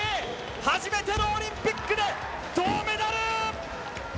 初めてのオリンピックで銅メダル！